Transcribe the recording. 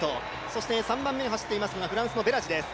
そして３番目に走っているのがフランスのベラジです。